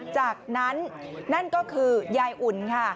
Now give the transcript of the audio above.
จากนั้นนั่นก็คือยายอุ่นค่ะ